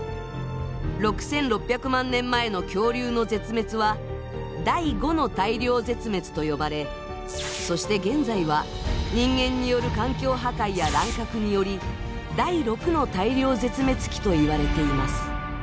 ６，６００万年前の恐竜の絶滅は「第５の大量絶滅」と呼ばれそして現在は人間による環境破壊や乱獲により第６の大量絶滅期といわれています。